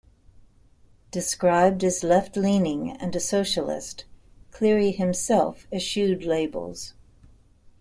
Described as left-leaning and a socialist, Cleary himself eschewed labels.